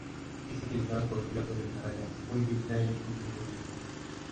Es utilizada por los pilotos de carreras, muy vista en automovilismo.